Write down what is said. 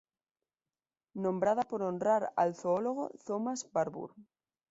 Nombrada para honrar al zoólogo Thomas Barbour.